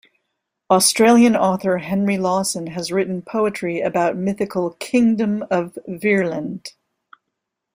Australian author Henry Lawson has written poetry about mythical "Kingdom of Virland".